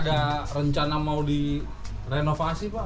ada rencana mau direnovasi pak